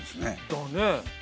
だね。